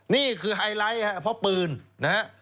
นี่คือไฮไลท์ครับเพราะปืนนะฮะ